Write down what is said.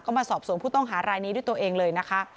ก็มาสอบสวนผู้ต้องหารายนี้ด้วยตัวเองเลยนะคะ